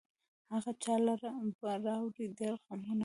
هغه چا لره به راوړي ډېر غمونه